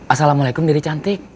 assalamualaikum diri cantik